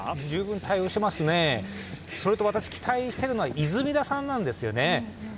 十分、対応していますそれと、私、期待しているのは出水田さんなんですよね。